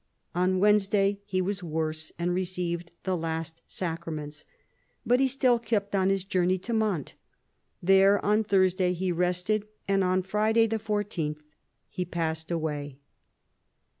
On Wednesday he was worse, and received the last sacraments. But he still kept on his journey to Mantes. There on Thursday he rested, and on Friday the 14th he passed away.